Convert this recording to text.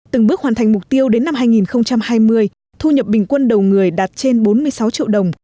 từng bước hoàn thành mục tiêu đến năm hai nghìn hai mươi thu nhập bình quân đầu người đạt trên bốn mươi sáu triệu đồng